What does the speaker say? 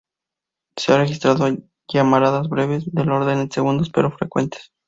Se han registrado llamaradas breves —del orden de segundos— pero frecuentes.